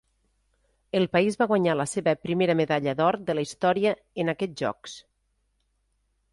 El país va guanyar la seva primera medalla d'or de la història en aquests Jocs.